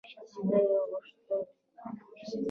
د ناتوفیانو په سیمه کې هوسۍ په ټولو فصلونو کې ښکار شوې.